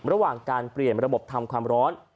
ระหว่างการเปลี่ยนระบบทำความร้อน